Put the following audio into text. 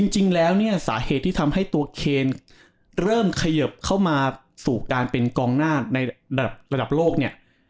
จริงแล้วเนี่ยสาเหตุที่ทำให้ตัวเคนเริ่มเขยิบเข้ามาสู่การเป็นกองหน้าในระดับโลกเนี่ย